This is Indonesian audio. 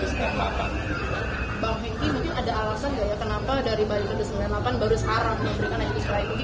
bang henky mungkin ada alasan nggak ya kenapa dari barikada sembilan puluh delapan baru sekarang yang diberikan akibat selain itu